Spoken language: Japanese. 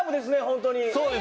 本当に。